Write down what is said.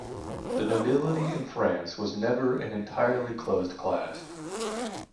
The nobility in France was never an entirely closed class.